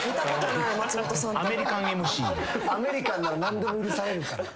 アメリカンなら何でも許されんから。